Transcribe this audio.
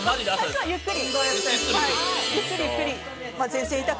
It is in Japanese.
最初はゆっくり。